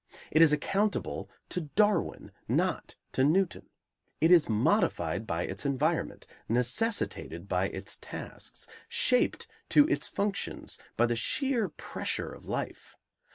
It is accountable to Darwin, not to Newton. It is modified by its environment, necessitated by its tasks, shaped to its functions by the sheer pressure of life.